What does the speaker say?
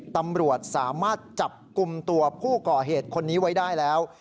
ตำรวจสามารถจับกลุ่มตัวผู้ก่อเหตุคนนี้ไว้ได้แล้ว